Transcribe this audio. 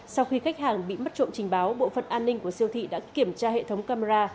sau khi khách hàng bị mất trộm trình báo bộ phận an ninh của siêu thị đã kiểm tra hệ thống camera